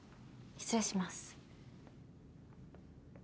失礼します。